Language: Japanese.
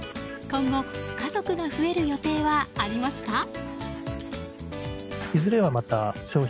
今後、家族が増える予定はありますか？